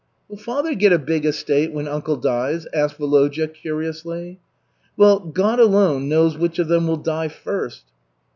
"Will father get a big estate when uncle dies?" asked Volodya, curiously. "Well, God alone knows which of them will die first."